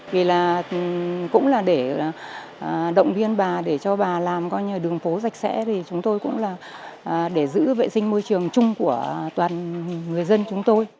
vì là cũng là để động viên bà để cho bà làm coi như là đường phố sạch sẽ thì chúng tôi cũng là để giữ vệ sinh môi trường chung của toàn người dân chúng tôi